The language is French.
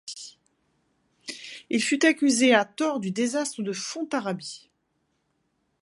Il fut accusé à tort du désastre de Fontarrabie.